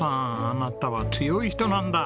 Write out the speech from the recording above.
あなたは強い人なんだ。